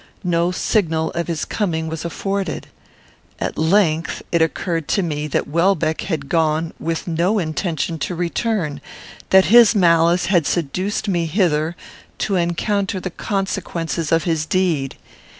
No signal of his coming was afforded. At length it occurred to me that Welbeck had gone with no intention to return; that his malice had seduced me hither to encounter the consequences of his deed.